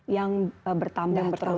yang bertambah terus